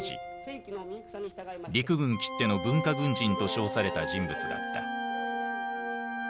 陸軍きっての文化軍人と称された人物だった。